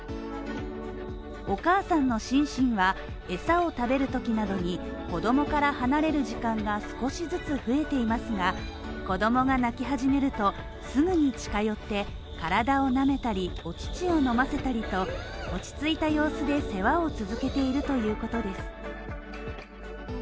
お母さんのシンシンは餌を食べるときなどに子供から離れる時間が少しずつ増えていますが、子供が鳴き始めるとすぐに近寄って、体をなめたり、お乳を飲ませたりと落ち着いた様子で世話を続けているということです。